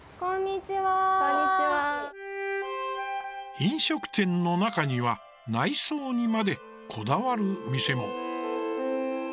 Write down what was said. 飲食店の中には内装にまでこだわる店も。